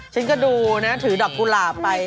ฉันก็ดูนะถือดอกกุหลาบไป